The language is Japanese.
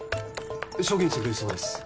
証言してくれるそうです。